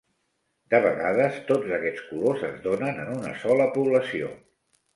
De vegades, tots aquests colors es donen en una sola població.